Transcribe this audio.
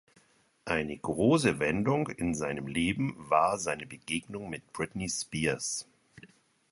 Eine große Wendung in seinem Leben war seine Begegnung mit Britney Spears.